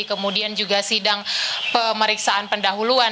kemudian juga sidang pemeriksaan pendahuluan